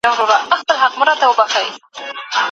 افغان خبریالان په نړیوالو غونډو کي رسمي استازیتوب نه لري.